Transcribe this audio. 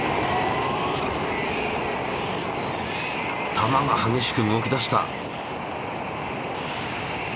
球が激しく動き出した。